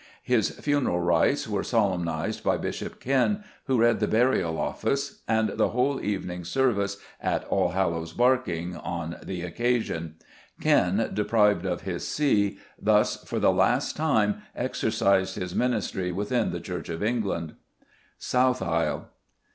His funeral rites were solemnised by Bishop Ken, who read the Burial Office, and the whole Evening Service, at Allhallows Barking on the occasion. Ken, deprived of his see, thus, for the last time, exercised his ministry within the Church of England. _South Aisle.